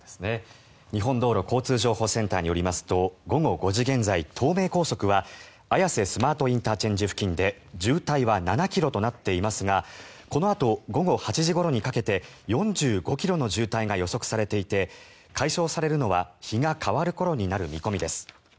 日本道路交通情報センターによりますと午後５時現在、東名高速は綾瀬スマートＩＣ付近で渋滞は７ｋｍとなっていますがこのあと午後８時ごろにかけて４５ｋｍの渋滞が予測されていて解消されるのは日が変わる頃になる見込みです。